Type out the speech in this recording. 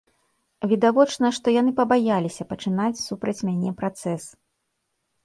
Відавочна, што яны пабаяліся пачынаць супраць мяне працэс.